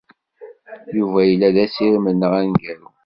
Yuba yella d asirem-nneɣ aneggaru.